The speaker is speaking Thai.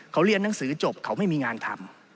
เขาเรียนหนังสือจบเขาไม่มีงานทำ